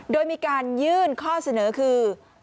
โดยมีการยื่นข้อเสนอคือ